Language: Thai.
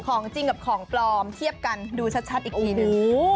ของจริงกับของปลอมเทียบกันดูชัดอีกทีนึง